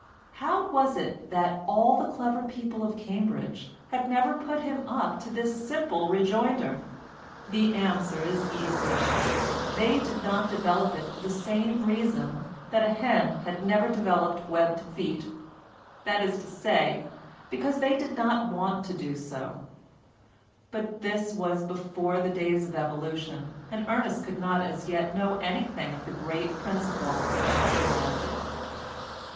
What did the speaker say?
How was it that all the clever people of Cambridge had never put him up to this simple rejoinder? The answer is easy: they did not develop it for the same reason that a hen had never developed webbed feet—that is to say, because they did not want to do so; but this was before the days of Evolution, and Ernest could not as yet know anything of the great principle that underlies it.